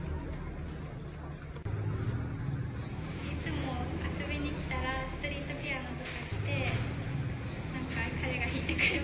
いつも遊びに来たらストリートピアノとか来て何か彼が弾いてくれます